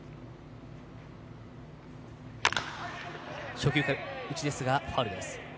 初球打ちですがファウルです。